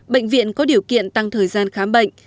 bệnh viện có điều kiện tăng thời gian khám bệnh